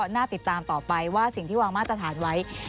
น่าติดตามต่อไปว่าสิ่งที่วางมาตรฐานไว้